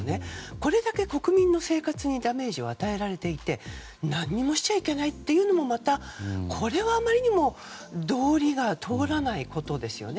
これだけ国民の生活にダメージを与えられていて何もしちゃいけないというのもこれはあまりにも道理が通らないことですよね。